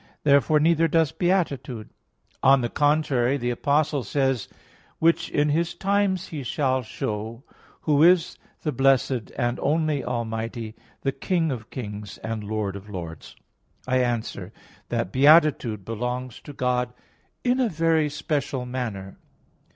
Therefore neither does beatitude. On the contrary, The Apostle says: "Which in His times He shall show, who is the Blessed and only Almighty, the King of Kings and Lord of Lords." (1 Tim. 6:15). I answer that, Beatitude belongs to God in a very special manner.